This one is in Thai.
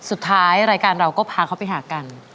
สุดท้ายรายการเราก็พาเขาไปหากัน